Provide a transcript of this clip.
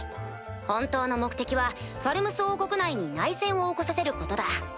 本当の目的はファルムス王国内に内戦を起こさせることだ。